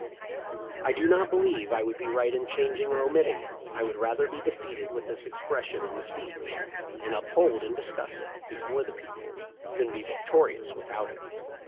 I do not believe I would be right in changing or omitting it. I would rather be defeated with this expression in the speech, and uphold and discuss it before the people, than be victorious without it."